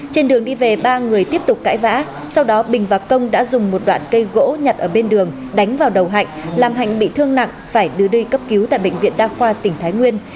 trên đường đi về ba người tiếp tục cãi vã sau đó bình và công đã dùng một đoạn cây gỗ nhặt ở bên đường đánh vào đầu hạnh làm hạnh bị thương nặng phải đưa đi cấp cứu tại bệnh viện đa khoa tỉnh thái nguyên